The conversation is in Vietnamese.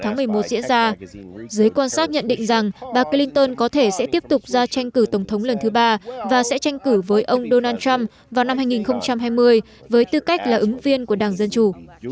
khi được hỏi về việc tranh cử vào ngày sáu tháng một mươi một diễn ra giới quan sát nhận định rằng bà clinton có thể sẽ tiếp tục ra tranh cử tổng thống lần thứ ba và sẽ tranh cử với ông donald trump vào năm hai nghìn hai mươi với tư cách là ứng viên của đảng dân chủ